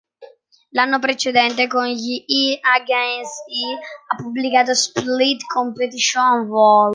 L'anno precedente, con gli I Against I, ha pubblicato "Split Competition Vol.